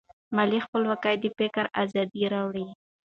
مالي خپلواکي د فکر ازادي راوړي.